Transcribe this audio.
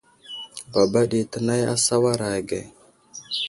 Baba ɗi tənay a sawaray age.